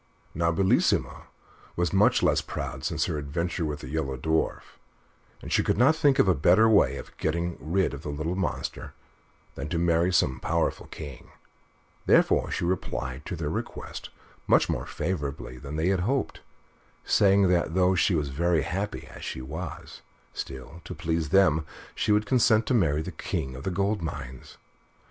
Now Bellissima was much less proud since her adventure with the Yellow Dwarf, and she could not think of a better way of getting rid of the little monster than to marry some powerful king, therefore she replied to their request much more favorably than they had hoped, saying that, though she was very happy as she was, still, to please them, she would consent to marry the King of the Gold Mines.